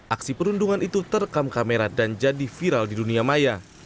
aksi perundungan itu terekam kamera dan jadi viral di dunia maya